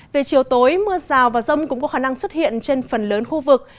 về chiều tối mưa rào và rông cũng có khả năng xuất hiện trên phần lớn khu vực